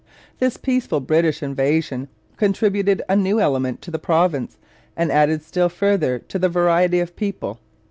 This peaceful British invasion contributed a new element to the province and added still further to the variety of the people.